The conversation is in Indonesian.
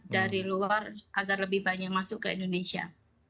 dari luar agar lebih banyak masuk ke indonesia